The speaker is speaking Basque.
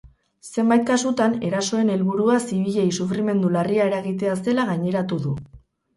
Zenbait kasutan erasoen helburua zibilei sufrimendu larria eragitea zela gaineratu du.